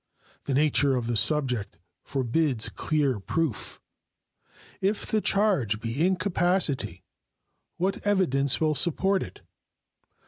The nature of the subject forbids clear proof. If the charge be incapacity, what evidence will support it?